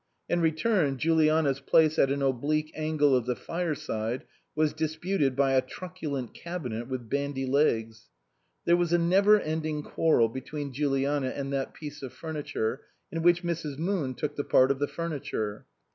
In return, Juliana's place at an oblique angle of the fireside was disputed by a truculent cabinet with bandy legs. There was a never ending quarrel between Juliana and that piece of furniture, in which Mrs. Moon took the part of the furniture.